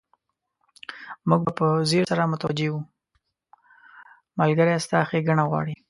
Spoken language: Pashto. ملګری ستا ښېګڼه غواړي.